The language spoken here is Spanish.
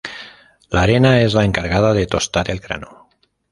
La arena es la encargada de tostar el grano.